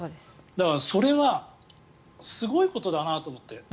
だからそれはすごいことだなと思って。